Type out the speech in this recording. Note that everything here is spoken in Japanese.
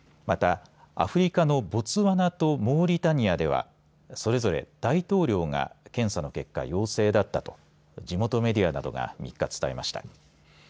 また、アフリカのボツワナとモーリタニアではそれぞれ大統領が検査の結果、陽性だったと地元メディアなどが３日、伝えました。